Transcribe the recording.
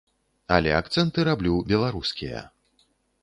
Але акцэнты раблю беларускія.